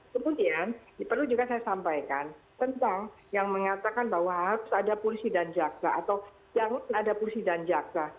kemudian perlu juga saya sampaikan tentang yang mengatakan bahwa harus ada polisi dan jaksa atau jangan ada polisi dan jaksa